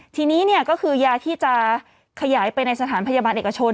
ทีนี้ก็คือยาที่จะขยายไปในสถานพยาบาลเอกชน